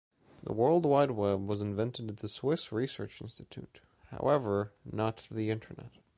The World Wide Web was invented at the Swiss Research Institute, however, not the Internet.